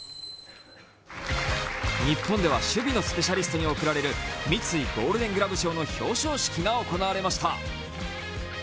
日本では守備のスペシャリストに贈られる三井ゴールデン・グラブ賞の表彰式が行われました。